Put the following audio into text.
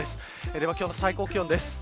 では今日の最高気温です。